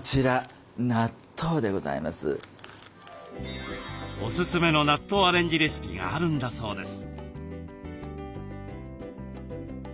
こちらおすすめの納豆アレンジレシピがあるんだそうです。